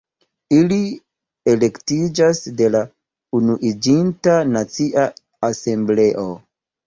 Ili elektiĝas de la Unuiĝinta Nacia Asembleo.